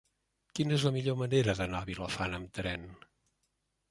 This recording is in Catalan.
Quina és la millor manera d'anar a Vilafant amb tren?